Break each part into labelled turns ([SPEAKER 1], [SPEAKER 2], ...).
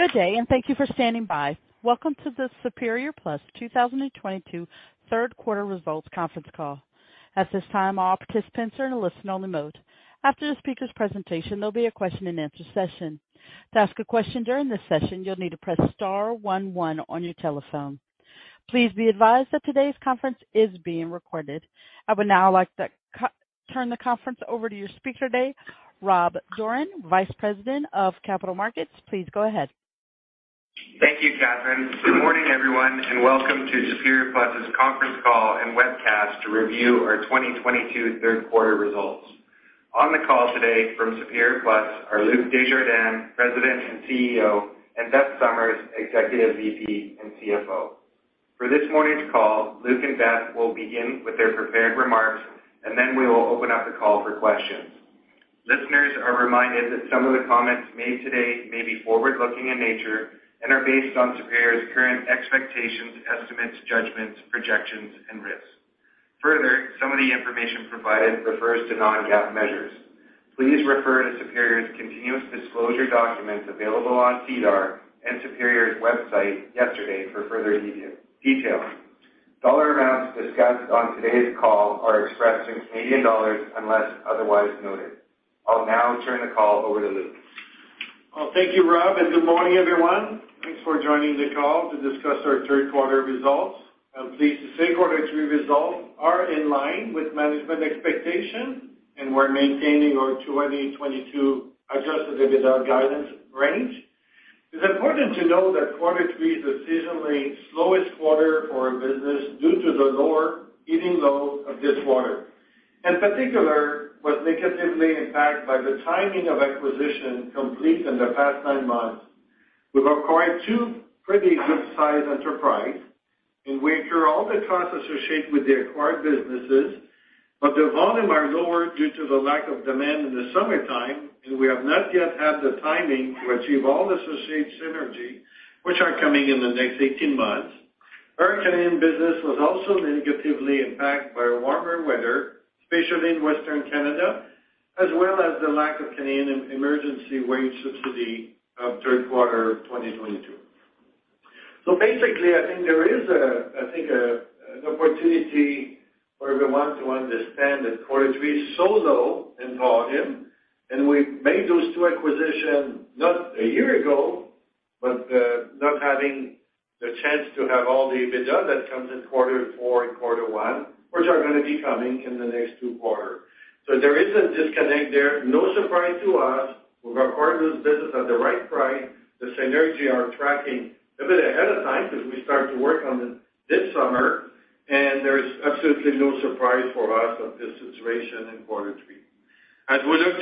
[SPEAKER 1] Good day, and thank you for standing by. Welcome to the Superior Plus 2022 Q3 results conference call. At this time, all participants are in a listen-only mode. After the speaker's presentation, there'll be a question-and-answer session. To ask a question during this session, you'll need to press star one one on your telephone. Please be advised that today's conference is being recorded. I would now like to turn the conference over to your speaker today, Rob Dorran, Vice President, Capital Markets. Please go ahead.
[SPEAKER 2] Thank you, Catherine. Good morning, everyone, and welcome to Superior Plus's conference call and webcast to review our 2022 Q3 results. On the call today from Superior Plus are Luc Desjardins, President and CEO, and Beth Summers, Executive VP and CFO. For this morning's call, Luc and Beth will begin with their prepared remarks, and then we will open up the call for questions. Listeners are reminded that some of the comments made today may be forward-looking in nature and are based on Superior's current expectations, estimates, judgments, projections, and risks. Further, some of the information provided refers to non-GAAP measures. Please refer to Superior's continuous disclosure documents available on SEDAR and Superior's website yesterday for further details. Dollar amounts discussed on today's call are expressed in Canadian dollars, unless otherwise noted. I'll now turn the call over to Luc.
[SPEAKER 3] Well, thank you, Rob, and good morning, everyone. Thanks for joining the call to discuss our Q3 results. I'm pleased to say quarter three results are in line with management expectation, and we're maintaining our 2022 adjusted EBITDA guidance range. It's important to know that quarter three is the seasonally slowest quarter for our business due to the lower heating load of this quarter. In particular, was negatively impacted by the timing of acquisitions completed in the past nine months. We've acquired two pretty good-sized enterprises, and we incur all the costs associated with the acquired businesses, but the volumes are lower due to the lack of demand in the summertime, and we have not yet had the timing to achieve all associated synergies, which are coming in the next 18 months. Our Canadian business was also negatively impacted by warmer weather, especially in Western Canada, as well as the lack of Canadian Emergency Wage Subsidy of Q3 2022. Basically, I think there is an opportunity for everyone to understand that quarter three is so low in volume and we made those two acquisitions not a year ago, but not having the chance to have all the EBITDA that comes in quarter four and quarter one, which are gonna be coming in the next two quarter. There is a disconnect there. No surprise to us. We've acquired those business at the right price. The synergy are tracking a bit ahead of time because we start to work on it this summer. There is absolutely no surprise for us of this situation in quarter three. As with our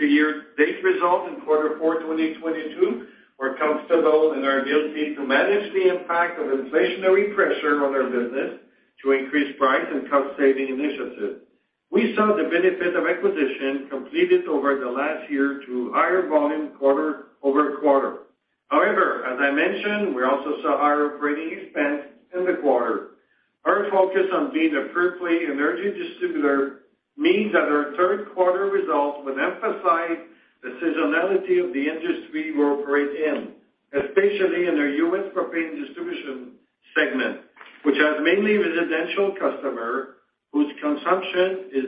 [SPEAKER 3] 2-year date results in Q4 2022, we're comfortable in our ability to manage the impact of inflationary pressure on our business to increase price and cost-saving initiatives. We saw the benefit of acquisitions completed over the last year to higher volumes quarter-over-quarter. However, as I mentioned, we also saw higher operating expenses in the quarter. Our focus on being a purely energy distributor means that our Q3 results will emphasize the seasonality of the industry we operate in, especially in our U.S. propane distribution segment, which has mainly residential customers whose consumption is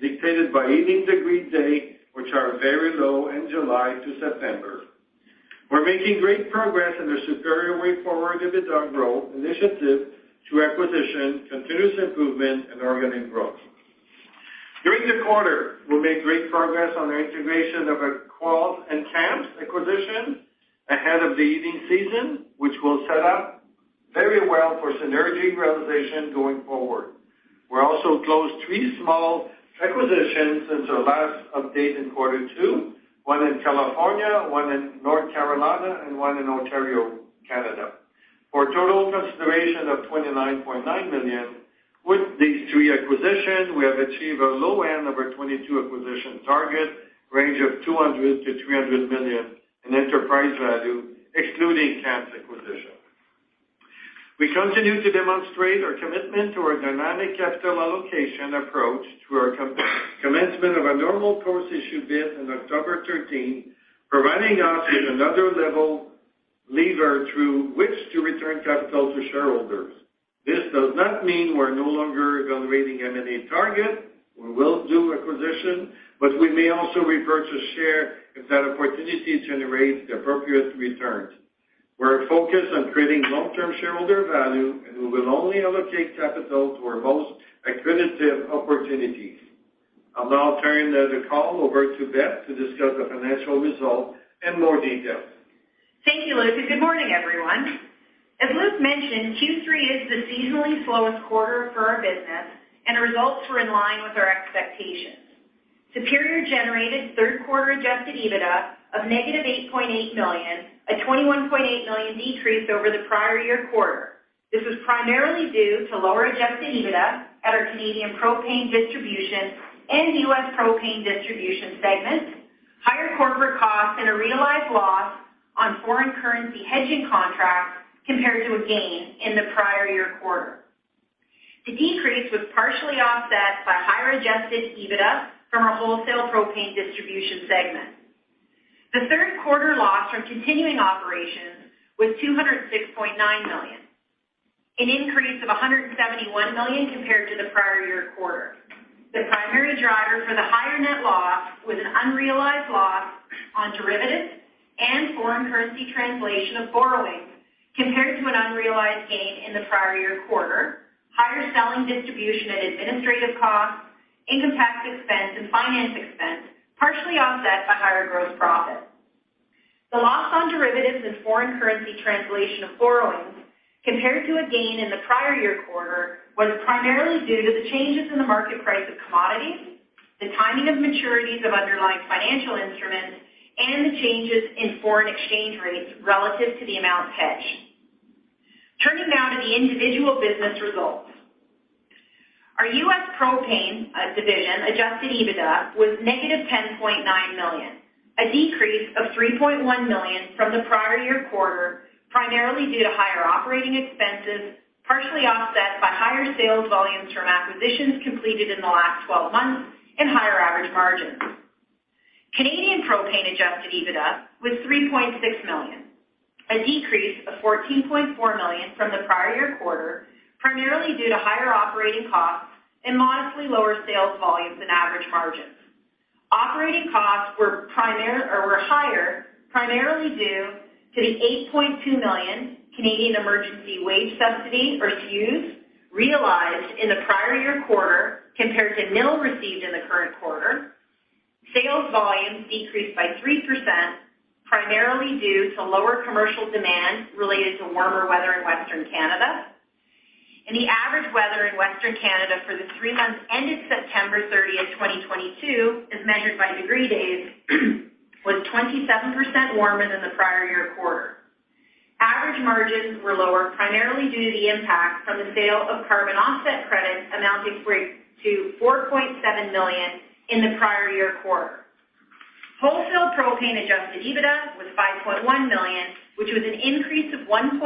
[SPEAKER 3] dictated by heating degree days, which are very low in July to September. We're making great progress in our Superior Way Forward EBITDA growth initiative through acquisitions, continuous improvement, and organic growth. During the quarter, we made great progress on our integration of our Quarles and Kamps acquisitions ahead of the heating season, which will set up very well for synergy realization going forward. We also closed three small acquisitions since our last update in quarter two, one in California, one in North Carolina, and one in Ontario, Canada, for a total consideration of 29.9 million. With these three acquisitions, we have achieved the low end of our 2022 acquisition target range of 200 to 300 million in enterprise value, excluding Kamps's acquisition. We continue to demonstrate our commitment to our dynamic capital allocation approach through our commencement of our normal course issuer bid on October 13, providing us with another lever through which to return capital to shareholders. This does not mean we're no longer evaluating M&A targets. We will do acquisition, but we may also repurchase shares if that opportunity generates the appropriate returns. We're focused on creating long-term shareholder value, and we will only allocate capital to our most accretive opportunities. I'll now turn the call over to Beth to discuss the financial results in more detail.
[SPEAKER 4] Thank you, Luc, and good morning, everyone. As Luc mentioned, Q3 is the seasonally slowest quarter for our business, and our results were in line with our expectations. Superior generated Q3 adjusted EBITDA of -8.8 million, a 21.8 million decrease over the prior year quarter. This was primarily due to lower adjusted EBITDA at our Canadian propane distribution and US propane distribution segments, higher corporate costs, and a realized loss on foreign currency hedging contracts compared to a gain in the prior year quarter. The decrease was partially offset by higher adjusted EBITDA from our wholesale propane distribution segment. The Q3 loss from continuing operations was 206.9 million, an increase of 171 million compared to the prior year quarter. The primary driver for the higher net loss was an unrealized loss on derivatives and foreign currency translation of borrowings compared to an unrealized gain in the prior year quarter. Higher selling, distribution and administrative costs, income tax expense and finance expense, partially offset by higher gross profit. The loss on derivatives and foreign currency translation of borrowings compared to a gain in the prior year quarter was primarily due to the changes in the market price of commodities, the timing of maturities of underlying financial instruments, and the changes in foreign exchange rates relative to the amount hedged. Turning now to the individual business results. Our US propane division adjusted EBITDA was negative $10.9 million, a decrease of $3.1 million from the prior year quarter, primarily due to higher operating expenses, partially offset by higher sales volumes from acquisitions completed in the last 12 months and higher average margins. Canadian propane adjusted EBITDA was 3.6 million, a decrease of 14.4 million from the prior year quarter, primarily due to higher operating costs and modestly lower sales volumes and average margins. Operating costs were higher, primarily due to the 8.2 million Canadian dollars Canadian Emergency Wage Subsidy, or CEWS, realized in the prior year quarter compared to nil received in the current quarter. Sales volumes decreased by 3%, primarily due to lower commercial demand related to warmer weather in western Canada. The average weather in western Canada for the three months ended 30 September 2022, as measured by degree days, was 27% warmer than the prior year quarter. Average margins were lower, primarily due to the impact from the sale of carbon offset credits amounting to 4.7 million in the prior year quarter. Wholesale propane adjusted EBITDA was 5.1 million, which was an increase of 1.9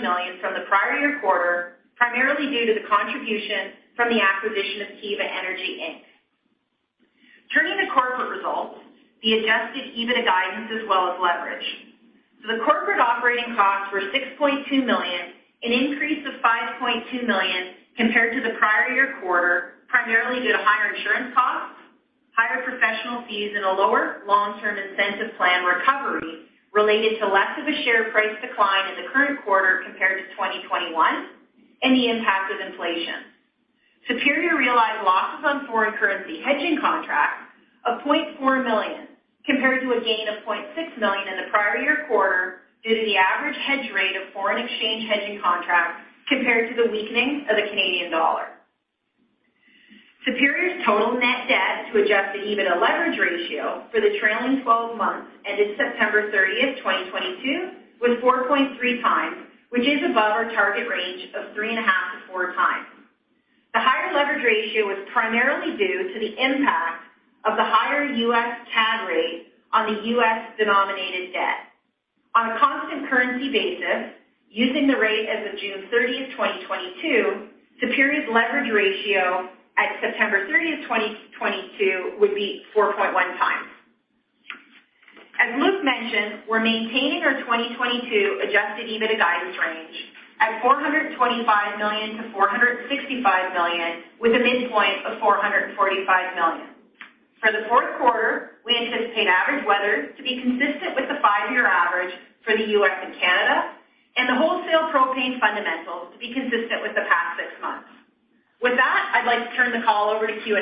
[SPEAKER 4] million from the prior year quarter, primarily due to the contribution from the acquisition of Kiva Energy Inc. Turning to corporate results, the adjusted EBITDA guidance as well as leverage. Corporate operating costs were 6.2 million, an increase of 5.2 million compared to the prior year quarter, primarily due to higher insurance costs, higher professional fees, and a lower long-term incentive plan recovery related to less of a share price decline in the current quarter compared to 2021 and the impact of inflation. Superior realized losses on foreign currency hedging contracts of 0.4 million compared to a gain of 0.6 million in the prior year quarter due to the average hedge rate of foreign exchange hedging contracts compared to the weakening of the Canadian dollar. Superior's total net debt to adjusted EBITDA leverage ratio for the trailing twelve months ended 30 September 2022, was 4.3x, which is above our target range of 3.5-4x. The higher leverage ratio was primarily due to the impact of the higher US/CAD rate on the US-denominated debt. On a constant currency basis, using the rate as of 30 June 2022, Superior's leverage ratio at 30 September 2022, would be 4.1 times. As Luc mentioned, we're maintaining our 2022 adjusted EBITDA guidance range at 425 to 465 million, with a midpoint of 445 million. For the Q4, we anticipate average weather to be consistent with the 5-year average for the US and Canada, and the wholesale propane fundamentals to be consistent with the past 6 months. With that, I'd like to turn the call over to Q&A.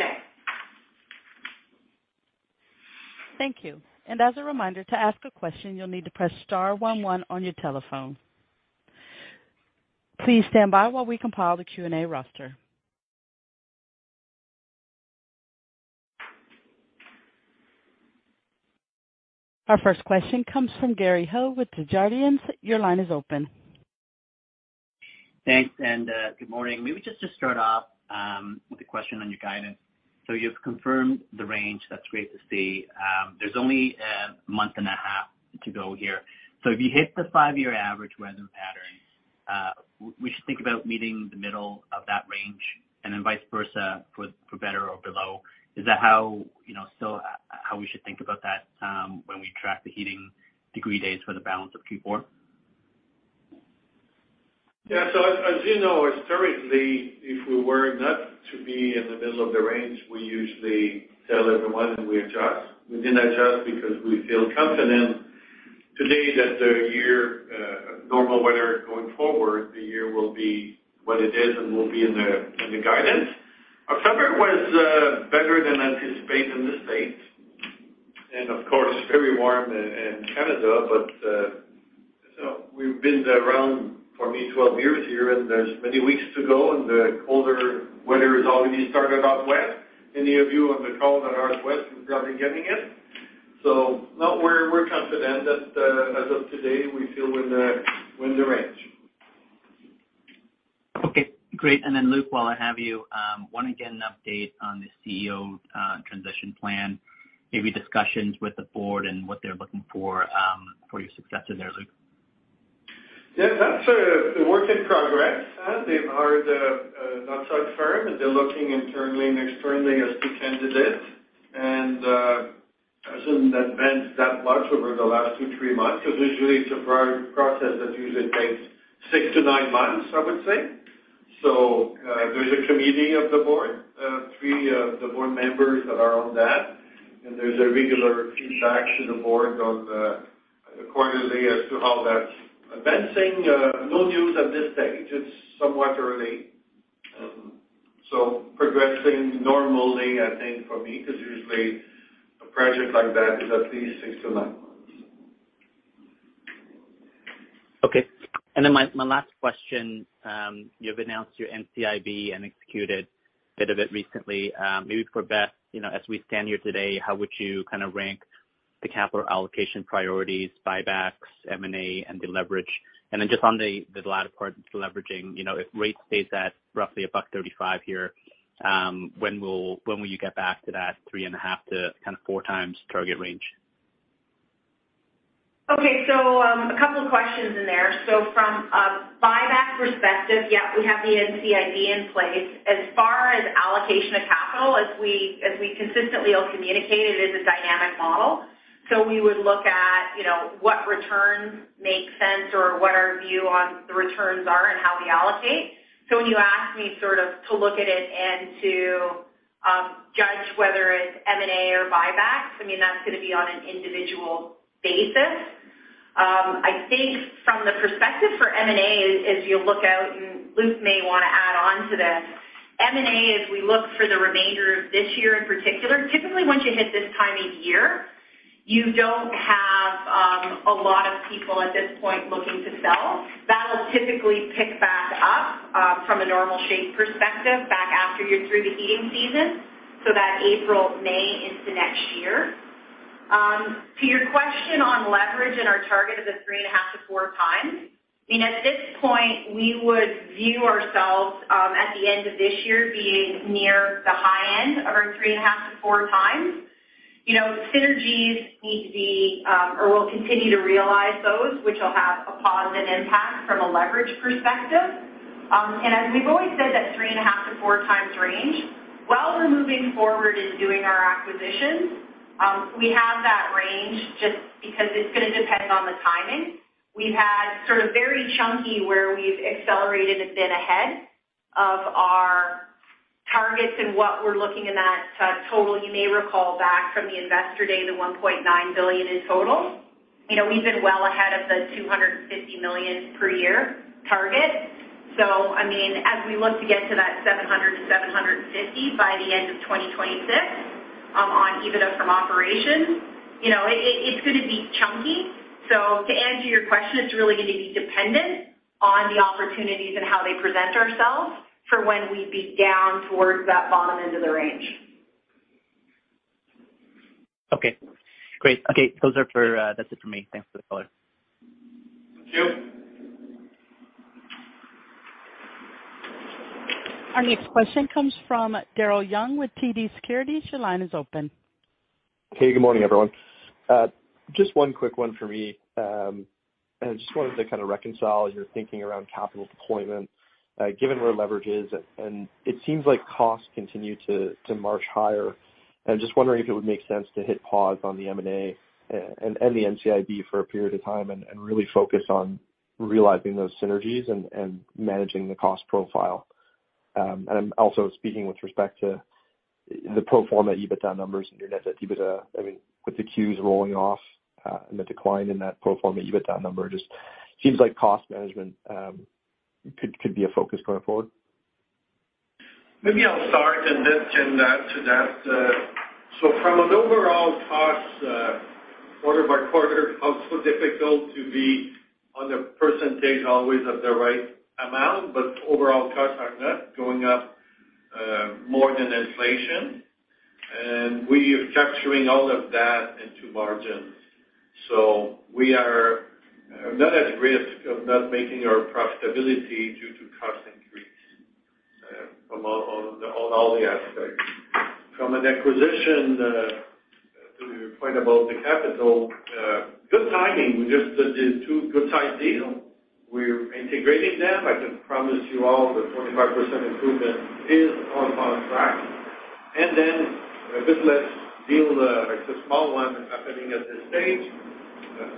[SPEAKER 1] Thank you. As a reminder, to ask a question, you'll need to press star one one on your telephone. Please stand by while we compile the Q&A roster. Our first question comes from Gary Ho with Desjardins. Your line is open.
[SPEAKER 5] Thanks, good morning. Maybe just to start off with a question on your guidance. You've confirmed the range. That's great to see. There's only a month and a half to go here. If you hit the five-year average weather patterns, we should think about meeting the middle of that range and then vice versa for better or below. Is that how we should think about that, you know, when we track the heating degree days for the balance of Q4?
[SPEAKER 3] Yeah. As you know, historically, if we were not to be in the middle of the range, we usually tell everyone and we adjust. We didn't adjust because we feel confident today that the year, normal weather going forward, the year will be what it is and will be in the guidance. October was better than anticipated in the States and of course, very warm in Canada. We've been around for nearly 12 years here, and there's many weeks to go, and the colder weather has already started out west. Any of you on the call that are out west are probably getting it. No, we're confident that, as of today, we feel we're in the range.
[SPEAKER 5] Okay, great. Luc, while I have you, wanna get an update on the CEO transition plan, maybe discussions with the board and what they're looking for your successor there, Luc?
[SPEAKER 3] Yes, that's a work in progress. They are not so firm. They're looking internally and externally for candidates. I assume that means they've moved that much over the last 2 to 3 months, because usually it's a process that usually takes 6 to 9 months, I would say. There's a committee of the board, three of the board members that are on that, and there's regular feedback to the board on a quarterly basis as to how that's advancing. No news at this stage. It's somewhat early. Progressing normally, I think, for me, because usually a project like that is at least 6 to 9 months.
[SPEAKER 5] Okay. My last question. You've announced your NCIB and executed a bit of it recently. Maybe for Beth, you know, as we stand here today, how would you kind of rank the capital allocation priorities, buybacks, M&A and the leverage? Just on the latter part, the leveraging, you know, if rate stays at roughly 1.35 here, when will you get back to that 3.5 to kind of 4 times target range?
[SPEAKER 4] A couple of questions in there. From a buyback perspective, yeah, we have the NCIB in place. As far as allocation of capital, as we consistently all communicate, it is a dynamic model. We would look at, you know, what returns make sense or what our view on the returns are and how we allocate. When you ask me sort of to look at it and to judge whether it's M&A or buybacks, I mean, that's gonna be on an individual basis. I think from the perspective for M&A, as you look out, and Luc may want to add on to this, M&A, as we look for the remainder of this year in particular, typically once you hit this time of year, you don't have a lot of people at this point looking to sell. That'll typically pick back up from a normal shape perspective back after you're through the heating season. That April, May into next year. To your question on leverage and our target of the 3.5 to 4 times, I mean, at this point, we would view ourselves at the end of this year being near the high end of our 3.5 to 4 times. You know, synergies need to be or we'll continue to realize those, which will have a positive impact from a leverage perspective. As we've always said that 3.5 to 4 times range, while we're moving forward in doing our acquisitions, we have that range just because it's gonna depend on the timing. We've had sort of very chunky where we've accelerated a bit ahead of our targets and what we're looking in that total. You may recall back from the investor day, the 1.9 billion in total. You know, we've been well ahead of the 250 million per year target. I mean, as we look to get to that 700 to 750 million by the end of 2026 on EBITDA from operations, you know, it's gonna be chunky. To answer your question, it's really gonna be dependent on the opportunities and how they present themselves for when we'd be down towards that bottom end of the range.
[SPEAKER 5] Okay, great. Okay, those are for, that's it for me. Thanks for the color.
[SPEAKER 3] Thank you.
[SPEAKER 1] Our next question comes from Daryl Young with TD Securities. Your line is open.
[SPEAKER 6] Hey, good morning, everyone. Just one quick one for me. I just wanted to kind of reconcile your thinking around capital deployment, given where leverage is, and it seems like costs continue to march higher. I'm just wondering if it would make sense to hit pause on the M&A and the NCIB for a period of time and really focus on realizing those synergies and managing the cost profile. I'm also speaking with respect to the pro forma EBITDA numbers and your net EBITDA. I mean, with the CEWS rolling off and the decline in that pro forma EBITDA number, just seems like cost management could be a focus going forward. Maybe I'll start and then Jim add to that.
[SPEAKER 3] From an overall cost, quarter by quarter, also difficult to be on the percentage always of the right amount, but overall costs are not going up more than inflation. We are factoring all of that into margins. We are not at risk of not making our profitability due to cost increase from all the aspects. From an acquisition, to your point about the capital, good timing. We just did two good size deals. We're integrating them. I can promise you all the 25% improvement is on track. Then a bit less deal, like the small one happening at this stage.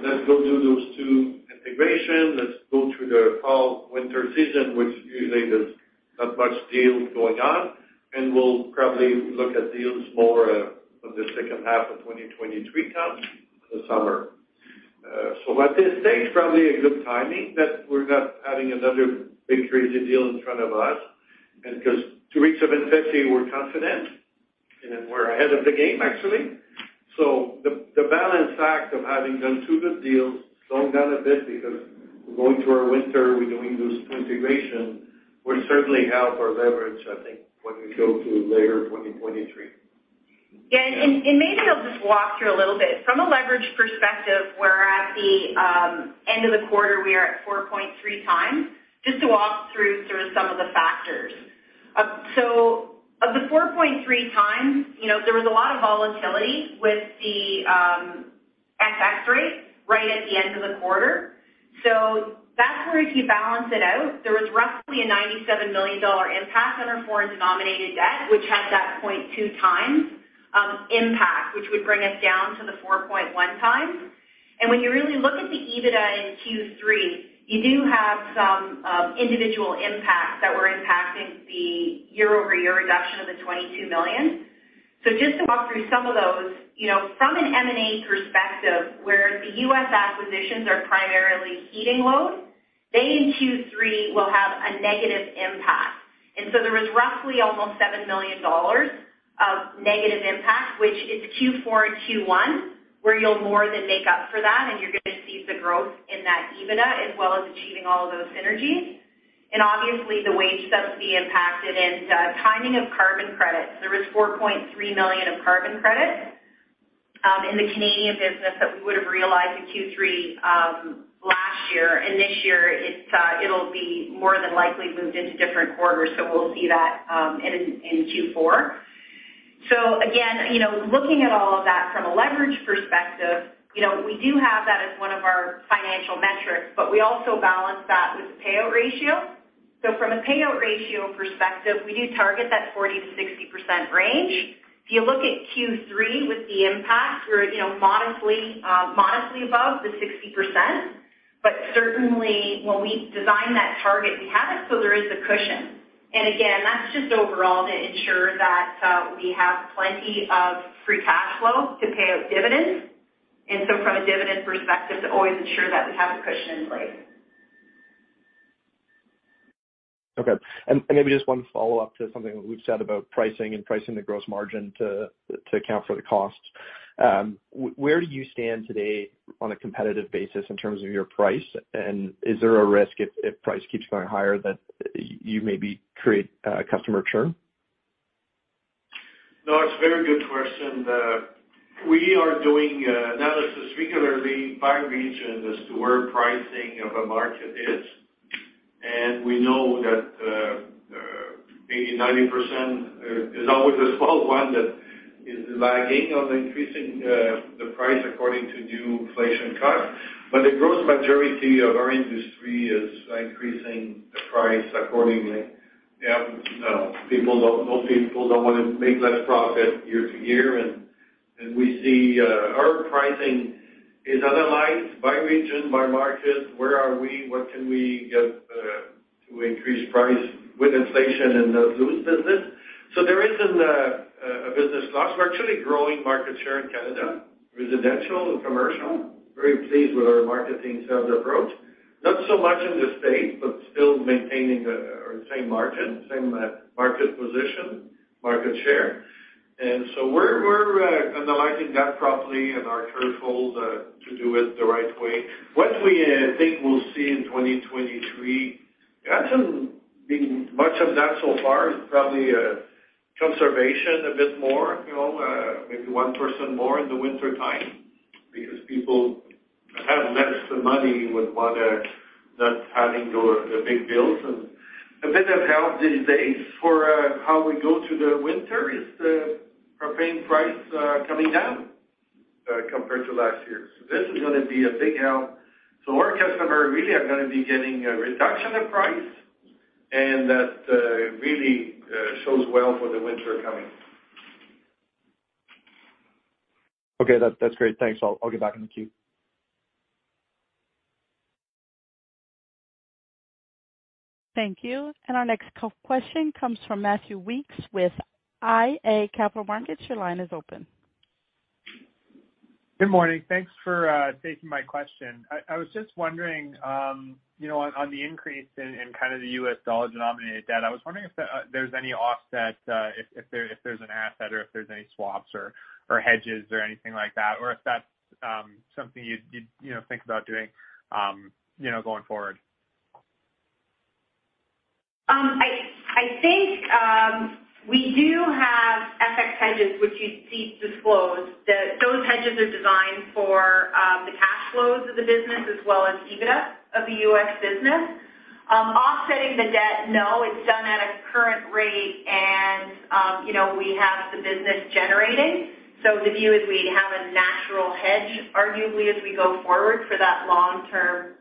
[SPEAKER 3] Let's go do those two integrations. Let's go through the fall, winter season, which usually there's not much deals going on. We'll probably look at deals more when the H2 of 2023 comes, the summer. At this stage, probably a good timing that we're not having another big crazy deal in front of us. Because to reach a 50, we're confident, and we're ahead of the game actually. The balance act of having done two good deals, slowing down a bit because we're going through our winter, we're doing those two integration, will certainly help our leverage, I think, when we go through later 2023.
[SPEAKER 4] Maybe I'll just walk through a little bit. From a leverage perspective, we're at the end of the quarter. We are at 4.3 times. Just to walk through sort of some of the factors. So 0.3 times, you know, there was a lot of volatility with the FX rate right at the end of the quarter. That's where if you balance it out, there was roughly a $97 million impact on our foreign denominated debt, which had that 0.2 times impact, which would bring us down to the 4.1 times. When you really look at the EBITDA in Q3, you do have some individual impacts that were impacting the year-over-year reduction of the 22 million. Just to walk through some of those, you know, from an M&A perspective, where the U.S. acquisitions are primarily heating loads, they in Q3 will have a negative impact. There was roughly almost 7 million dollars of negative impact, which is Q4 and Q1, where you'll more than make up for that, and you're gonna see the growth in that EBITDA as well as achieving all of those synergies. Obviously, the wage subsidy impacted and timing of carbon credits. There was 4.3 million of carbon credits in the Canadian business that we would have realized in Q3 last year. This year, it'll be more than likely moved into different quarters, so we'll see that in Q4. Again, you know, looking at all of that from a leverage perspective, you know, we do have that as one of our financial metrics, but we also balance that with the payout ratio. From a payout ratio perspective, we do target that 40 to 60% range. If you look at Q3 with the impact, we're, you know, modestly above the 60%. Certainly, when we design that target, we have it so there is a cushion. Again, that's just overall to ensure that we have plenty of free cash flow to pay out dividends. From a dividend perspective, to always ensure that we have the cushion in place.
[SPEAKER 6] Maybe just one follow-up to something that we've said about pricing the gross margin to account for the costs. Where do you stand today on a competitive basis in terms of your price? Is there a risk if price keeps going higher that you maybe create customer churn?
[SPEAKER 3] No, it's a very good question. We are doing analysis regularly by region as to where pricing of a market is. We know that maybe 90% is always a small one that is lagging on increasing the price according to new inflation cost. The gross majority of our industry is increasing the price accordingly. Most people don't want to make less profit year to year. We see our pricing is analyzed by region, by market. Where are we? What can we get to increase price with inflation and not lose business? There isn't a business loss. We're actually growing market share in Canada, residential and commercial. Very pleased with our marketing sales approach. Not so much in the States, but still maintaining our same margin, same market position, market share. We're analyzing that properly and our thresholds to do it the right way. What we think we'll see in 2023, actually, I think much of that so far is probably conservation a bit more, you know, maybe one person more in the wintertime because people have less money, would rather not having the big bills. A bit of help these days for how we go through the winter is the propane price coming down compared to last year. This is gonna be a big help. Our customer really are gonna be getting a reduction in price, and that really shows well for the winter coming.
[SPEAKER 6] Okay. That's great. Thanks. I'll get back in the queue.
[SPEAKER 1] Thank you. Our next question comes from Matthew Weekes with iA Capital Markets. Your line is open.
[SPEAKER 7] Good morning. Thanks for taking my question. I was just wondering, you know, on the increase in kind of the U.S. dollar-denominated debt, I was wondering if there's any offset, if there's an asset or if there's any swaps or hedges or anything like that, or if that's something you'd you know, think about doing, you know, going forward.
[SPEAKER 4] I think we do have FX hedges, which you see disclosed. Those hedges are designed for the cash flows of the business as well as EBITDA of the US business. Offsetting the debt, no, it's done at a current rate and, you know, we have the business generating. The view is we have a natural hedge, arguably, as we go forward for that long-term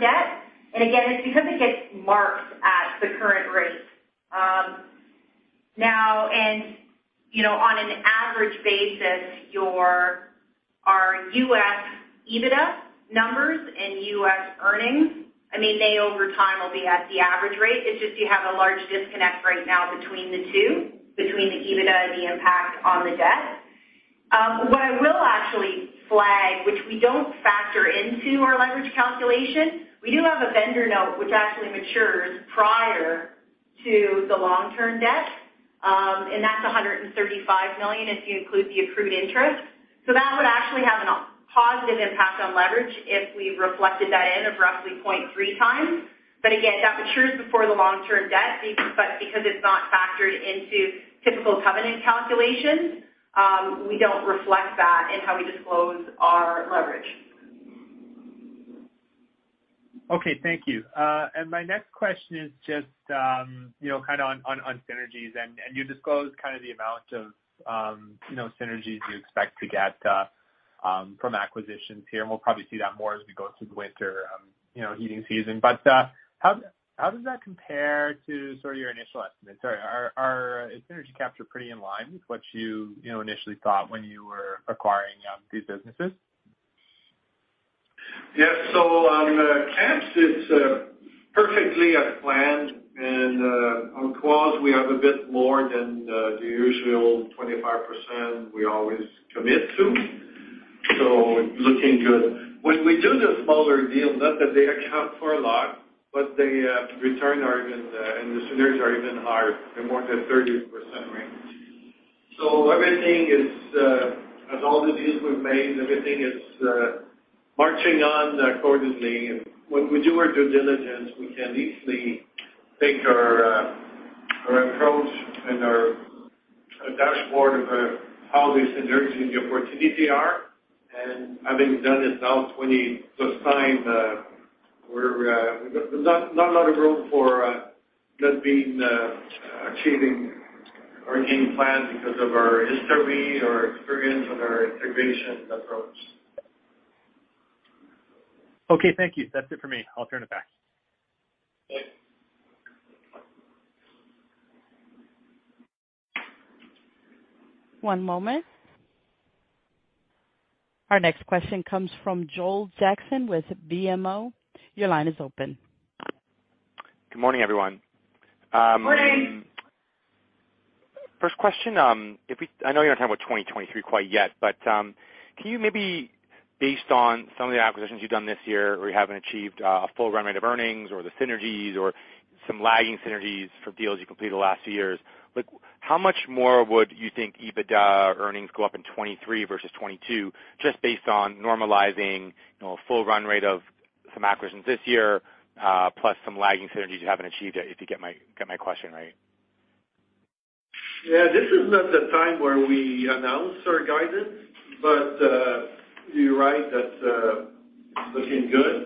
[SPEAKER 4] debt. Again, it's because it gets marked at the current rate. Now and, you know, on an average basis, our US EBITDA numbers and US earnings, I mean, they over time will be at the average rate. It's just you have a large disconnect right now between the two, between the EBITDA and the impact on the debt. What I will actually flag, which we don't factor into our leverage calculation, we do have a vendor note which actually matures prior to the long-term debt, and that's 135 million if you include the accrued interest. That would actually have a positive impact on leverage if we reflected that in of roughly 0.3x. Again, that matures before the long-term debt, but because it's not factored into typical covenant calculations, we don't reflect that in how we disclose our leverage.
[SPEAKER 7] Okay. Thank you. My next question is just you know kinda on synergies and you disclosed kind of the amount of you know synergies you expect to get from acquisitions here. We'll probably see that more as we go through the winter you know heating season. How does that compare to sort of your initial estimates? Is synergy capture pretty in line with what you you know initially thought when you were acquiring these businesses?
[SPEAKER 3] Yes. On Kamps, it's perfectly as planned. On Quarles, we have a bit more than the usual 25% we always commit to. Looking good. When we do the smaller deal, not that they account for a lot, but the return are even, and the synergies are even higher and more than 30% range. Everything is, as all the deals we've made, everything is marching on accordingly. When we do our due diligence, we can easily take our approach and our dashboard of how these synergies and the opportunities are. Having done this now 20+ times, we're not a lot of room for not achieving or hitting plans because of our history, our experience, and our integration approach.
[SPEAKER 7] Okay. Thank you. That's it for me. I'll turn it back.
[SPEAKER 3] Thanks.
[SPEAKER 1] One moment. Our next question comes from Joel Jackson with BMO. Your line is open.
[SPEAKER 8] Good morning, everyone.
[SPEAKER 3] Good morning.
[SPEAKER 8] First question, I know you're gonna talk about 2023 not quite yet, but, can you maybe, based on some of the acquisitions you've done this year, or you haven't achieved, a full run rate of earnings or the synergies or some lagging synergies for deals you completed the last few years, like, how much more would you think EBITDA earnings go up in 2023 versus 2022, just based on normalizing, you know, a full run rate of some acquisitions this year, plus some lagging synergies you haven't achieved, if you get my question right?
[SPEAKER 3] Yeah. This is not the time where we announce our guidance, but you're right that it's looking good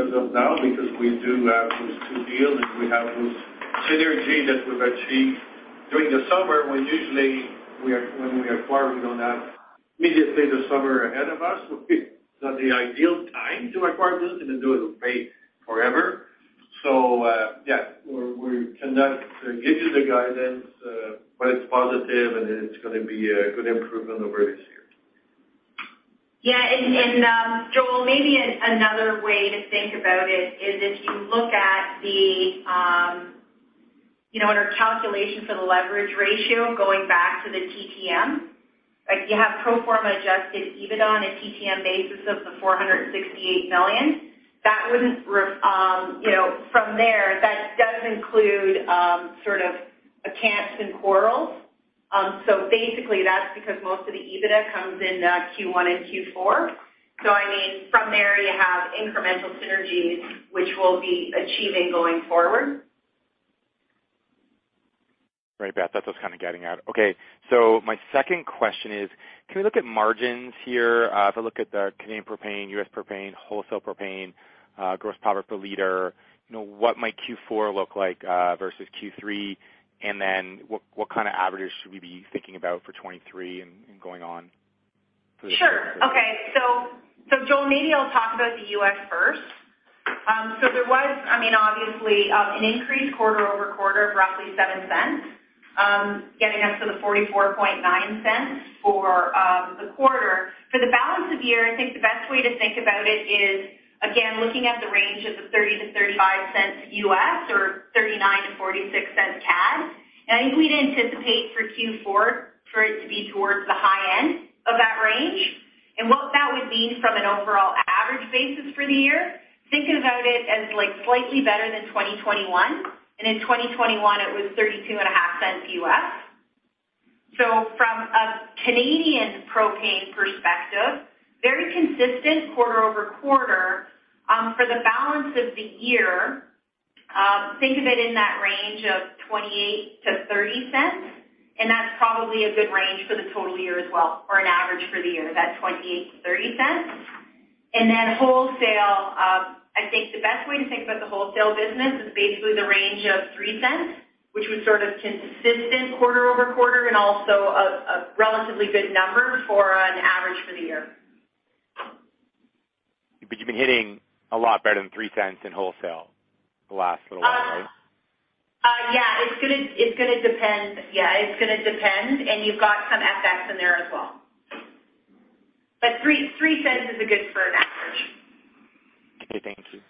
[SPEAKER 3] as of now because we do have these two deals, and we have those synergies that we've achieved during the summer, when we are acquiring and that immediately the summer ahead of us. It's not the ideal time to acquire business, and then we wait forever. Yeah, we cannot give you the guidance, but it's positive, and it's gonna be a good improvement over this year.
[SPEAKER 4] Joel, maybe another way to think about it is if you look at the you know in our calculations of the leverage ratio, going back to the TTM, like you have pro forma adjusted EBIT on a TTM basis of 468 million. From there, that does include sort of Kamps and Kiva. Basically, that's because most of the EBITDA comes in Q1 and Q4. I mean, from there, you have incremental synergies, which we'll be achieving going forward.
[SPEAKER 8] Right. Beth, that's what I was kinda getting at. Okay. My second question is, can we look at margins here? If I look at the Canadian propane, US propane, wholesale propane, gross profit per liter, you know, what might Q4 look like versus Q3? Then what kind of averages should we be thinking about for 2023 and going on for the?
[SPEAKER 4] Sure. Okay. Joel, maybe I'll talk about the US first. There was, I mean, obviously, an increase quarter-over-quarter of roughly $0.07, getting us to the $0.449 for the quarter. For the balance of the year, I think the best way to think about it is, again, looking at the range of the $0.30 to 0.35 or 0.39 to 0.46. I think we'd anticipate for Q4 for it to be towards the high end of that range. What that would mean from an overall average basis for the year, think about it as, like, slightly better than 2021. In 2021, it was $0.325. From a Canadian propane perspective, very consistent quarter-over-quarter. For the balance of the year, think of it in that range of 0.28 to 0.30, and that's probably a good range for the total year as well or an average for the year, that 0.28 to 0.30. Wholesale, I think the best way to think about the wholesale business is basically the range of 0.03, which was sort of consistent quarter-over-quarter and also a relatively good number for an average for the year.
[SPEAKER 8] You've been hitting a lot better than $0.03 in wholesale the last little while, right?
[SPEAKER 4] Yeah. It's gonna depend, and you've got some FX in there as well. 0.03 is a good for an average.
[SPEAKER 8] Okay. Thank you.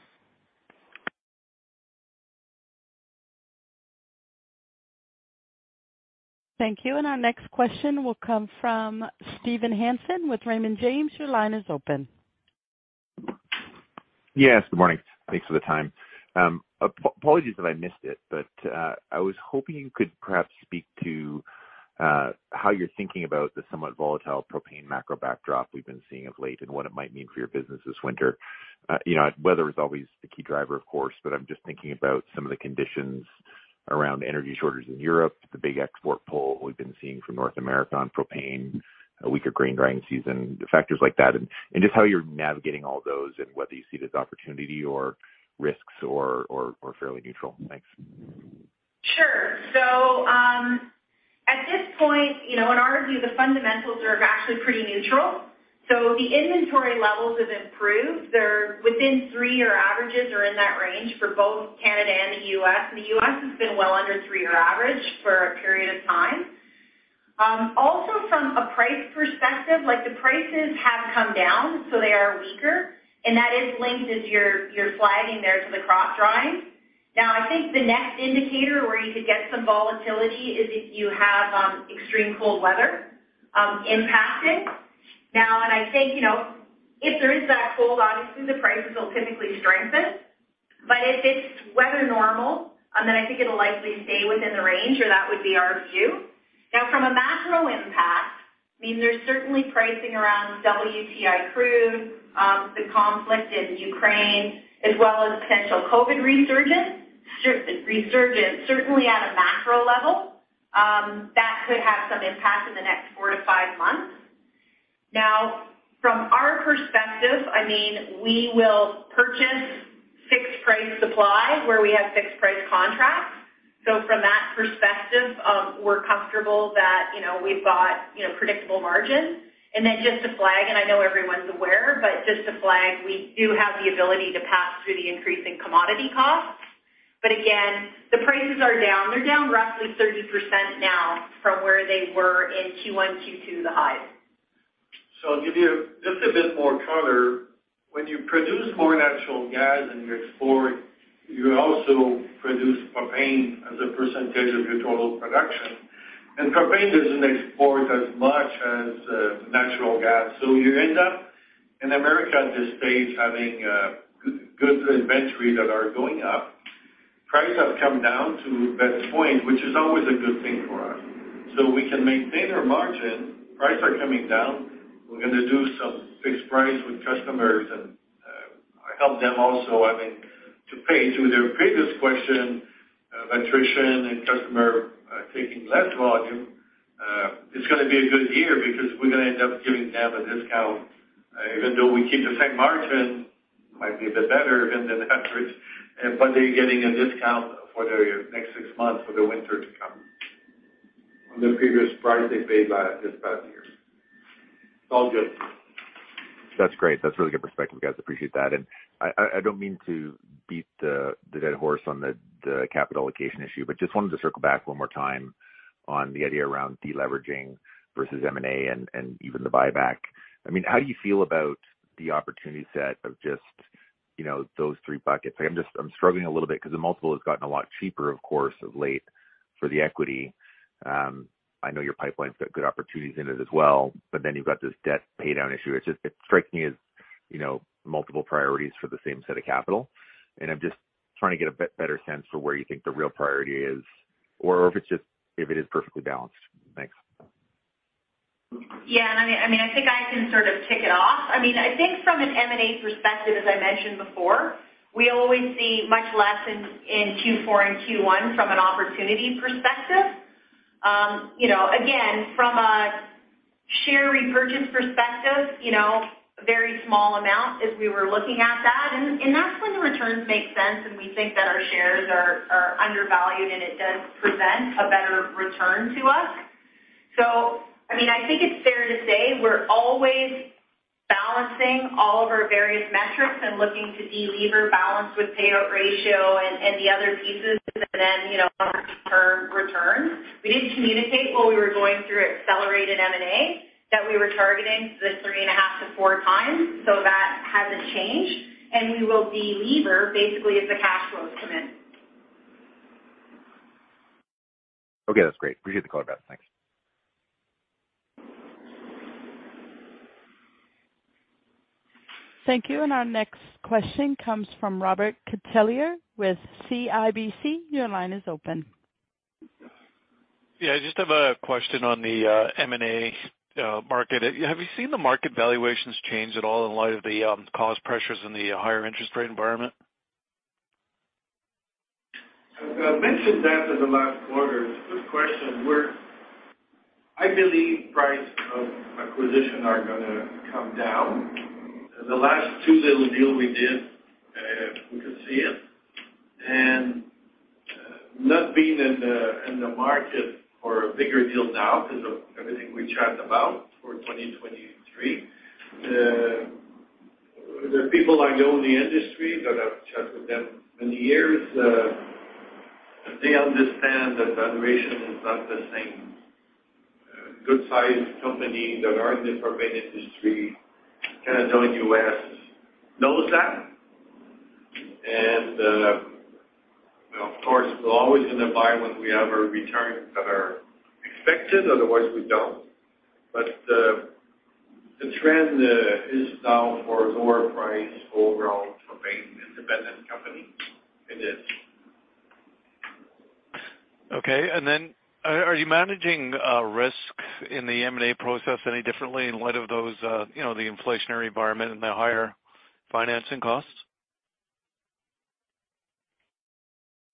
[SPEAKER 1] Thank you. Our next question will come from Steven Hansen with Raymond James. Your line is open.
[SPEAKER 9] Yes. Good morning. Thanks for the time. Apologies if I missed it, but I was hoping you could perhaps speak to how you're thinking about the somewhat volatile propane macro backdrop we've been seeing of late and what it might mean for your business this winter. You know, weather is always the key driver of course, but I'm just thinking about some of the conditions around energy shortages in Europe, the big export pull we've been seeing from North America on propane, a weaker grain drying season, factors like that, and just how you're navigating all those and whether you see this opportunity or risks or fairly neutral. Thanks.
[SPEAKER 4] Sure. At this point, you know, in our view, the fundamentals are actually pretty neutral. The inventory levels have improved. They're within three-year averages or in that range for both Canada and the US. The US has been well under three-year average for a period of time. Also from a price perspective, like, the prices have come down, so they are weaker, and that is linked as you're flagging there to the crop drying. Now, I think the next indicator where you could get some volatility is if you have extreme cold weather impacting. Now, I think, you know, if there is that cold, obviously the prices will typically strengthen. If it's weather normal, then I think it'll likely stay within the range, or that would be our view. Now, from a macro impact, I mean, there's certainly pricing around WTI crude, the conflict in Ukraine, as well as potential COVID resurgence, certainly at a macro level. That could have some impact in the next four to five months. Now, from our perspective, I mean, we will purchase fixed price supply where we have fixed price contracts. From that perspective, we're comfortable that, you know, we've got, you know, predictable margins. Then just to flag, and I know everyone's aware, but just to flag, we do have the ability to pass through the increasing commodity costs. Again, the prices are down. They're down roughly 30% now from where they were in Q1, Q2, the highs.
[SPEAKER 3] I'll give you just a bit more color. When you produce more natural gas and you export, you also produce propane as a percentage of your total production. Propane doesn't export as much as natural gas. You end up in America at this stage having good inventory that are going up. Prices have come down to that point, which is always a good thing for us. We can maintain our margin. Prices are coming down. We're gonna do some fixed price with customers and help them also, I think, to pay. To their previous question, attrition and customer taking less volume, it's gonna be a good year because we're gonna end up giving them a discount. Even though we keep the same margin, might be a bit better than the average, but they're getting a discount for their next six months for the winter to come from the previous price they paid by this past year. It's all good.
[SPEAKER 9] That's great. That's really good perspective, guys. Appreciate that. I don't mean to beat the dead horse on the capital allocation issue, but just wanted to circle back one more time on the idea around deleveraging versus M&A and even the buyback. I mean, how do you feel about the opportunity set of just, you know, those three buckets? I'm just struggling a little bit cause the multiple has gotten a lot cheaper, of course, of late for the equity. I know your pipeline's got good opportunities in it as well, but then you've got this debt paydown issue. It's just, it strikes me as, you know, multiple priorities for the same set of capital. I'm just trying to get a bit better sense for where you think the real priority is or if it's just, if it is perfectly balanced. Thanks.
[SPEAKER 4] Yeah. I mean, I think I can sort of tick it off. I mean, I think from an M&A perspective, as I mentioned before, we always see much less in Q4 and Q1 from an opportunity perspective. You know, again, from a share repurchase perspective, you know, very small amount as we were looking at that. And that's when the returns make sense and we think that our shares are undervalued and it does present a better return to us. I mean, I think it's fair to say we're always balancing all of our various metrics and looking to delever balance with payout ratio and the other pieces and then, you know, long-term returns. We did communicate while we were going through accelerated M&A that we were targeting the 3.5 to 4 times, so that hasn't changed. We will delever basically as the cash flows come in.
[SPEAKER 9] Okay, that's great. Appreciate the color, Beth. Thanks.
[SPEAKER 1] Thank you. Our next question comes from Robert Catellier with CIBC. Your line is open.
[SPEAKER 10] Yeah, I just have a question on the M&A market. Have you seen the market valuations change at all in light of the cost pressures in the higher interest rate environment?
[SPEAKER 3] I mentioned that in the last quarter. Good question. I believe prices of acquisitions are gonna come down. The last two little deals we did, we could see it. Not being in the market for a bigger deal now because of everything we chatted about for 2023, the people I know in the industry that I've chatted with them many years, they understand that valuation is not the same. Good sized companies that are in the propane industry, Canada and U.S. know that. Of course, we're always gonna buy when we have returns that are expected, otherwise we don't. The trend is now for lower prices overall propane independent companies. It is.
[SPEAKER 10] Okay. Are you managing risk in the M&A process any differently in light of those, you know, the inflationary environment and the higher financing costs?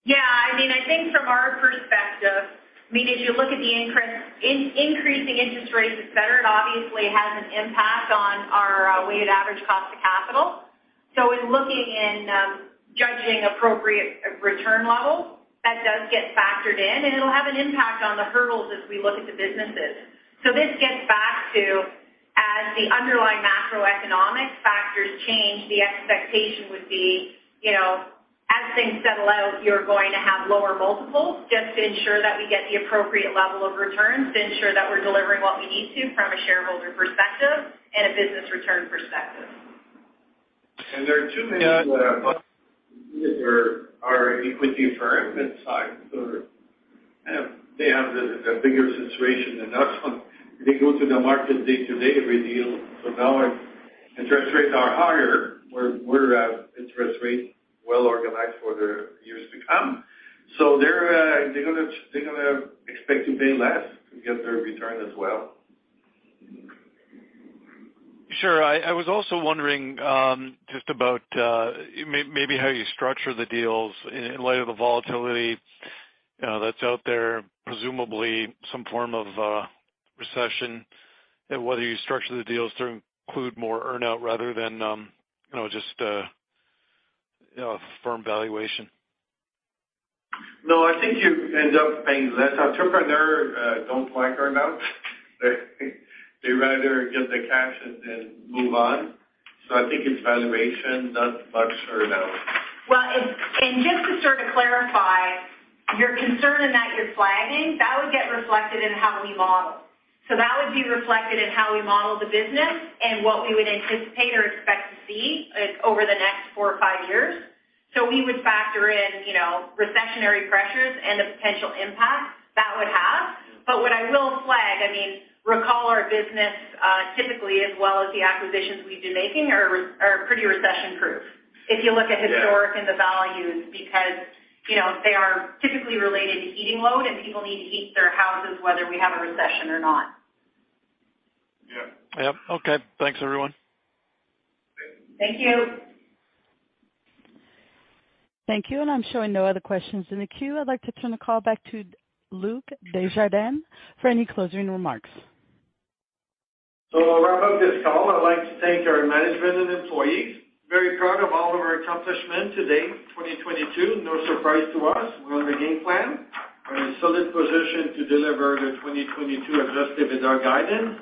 [SPEAKER 4] Yeah. I mean, I think from our perspective, I mean, as you look at the increasing interest rates, it's better and obviously has an impact on our weighted average cost of capital. Looking and judging appropriate return levels, that does get factored in, and it'll have an impact on the hurdles as we look at the businesses. This gets back to as the underlying macroeconomic factors change, the expectation would be, you know, as things settle out, you're going to have lower multiples just to ensure that we get the appropriate level of returns to ensure that we're delivering what we need to from a shareholder perspective and a business return perspective.
[SPEAKER 3] There are too many private equity firms inside. They have the bigger situation than us when they go to the market day-to-day to raise. Now, interest rates are higher. We're well positioned for the years to come. They're gonna expect to pay less to get their return as well.
[SPEAKER 10] Sure. I was also wondering just about maybe how you structure the deals in light of the volatility that's out there, presumably some form of recession and whether you structure the deals to include more earn-out rather than you know just a you know firm valuation?
[SPEAKER 3] No, I think you end up paying less. Entrepreneurs don't like earn-out. They rather get the cash and then move on. I think it's valuation, not much earn-out.
[SPEAKER 4] Well, just to sort of clarify, your concern that you're flagging would get reflected in how we model. That would be reflected in how we model the business and what we would anticipate or expect to see, like, over the next four or five years. We would factor in, you know, recessionary pressures and the potential impact that would have. What I will flag, I mean, recall our business typically as well as the acquisitions we've been making are pretty recession-proof. If you look at historic-
[SPEAKER 3] Yeah.
[SPEAKER 4] The values because, you know, they are typically related to heating load, and people need to heat their houses whether we have a recession or not.
[SPEAKER 3] Yeah.
[SPEAKER 10] Yep. Okay. Thanks, everyone.
[SPEAKER 4] Thank you.
[SPEAKER 1] Thank you. I'm showing no other questions in the queue. I'd like to turn the call back to Luc Desjardins for any closing remarks.
[SPEAKER 3] To wrap up this call, I'd like to thank our management and employees. Very proud of all of our accomplishments to date, 2022. No surprise to us. We're on the game plan. We're in a solid position to deliver the 2022 adjusted EBITDA guidance.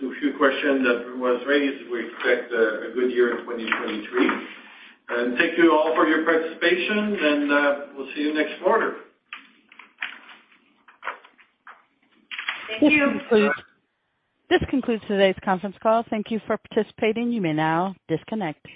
[SPEAKER 3] To a few questions that was raised, we expect a good year in 2023. Thank you all for your participation, and we'll see you next quarter.
[SPEAKER 4] Thank you.
[SPEAKER 1] This concludes today's conference call. Thank you for participating. You may now disconnect.